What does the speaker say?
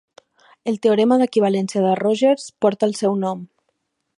El teorema d'equivalència de Rogers porta el seu nom.